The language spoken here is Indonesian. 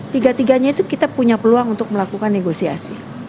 tiga tiganya itu kita punya peluang untuk melakukan negosiasi